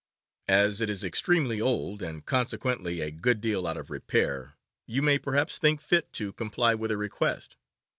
As it is extremely old, and consequently a good deal out of repair, you may perhaps think fit to comply with her request.